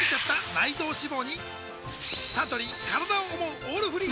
サントリー「からだを想うオールフリー」